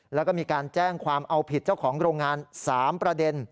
แล้วก็มีการแจ้งความเอาผิดเจ้าของโรงงาน๓ประเด็น